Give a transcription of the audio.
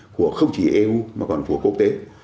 của không chỉ eu mà còn của quốc tế